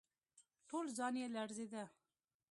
ټول ځان يې لړزېده.